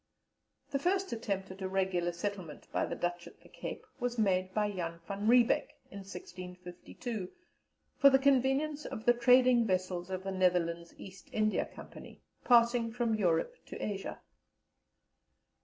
The first attempt at a regular settlement by the Dutch at the Cape was made by Jan Van Riebeck, in 1652, for the convenience of the trading vessels of the Netherlands East India Company, passing from Europe to Asia.